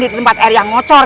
di tempat air yang ngocor